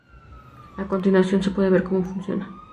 A continuación se puede ver cómo funciona.